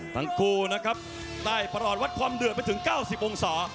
ทั้งคู่นะครับใต้ประหลอดวัดความเดือดไปถึง๙๐องศา